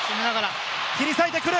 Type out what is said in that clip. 切り裂いてくる！